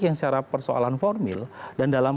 yang secara persoalan formil dan dalam